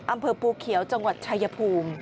อำเภอภูเขียวจังหวัดชายภูมิ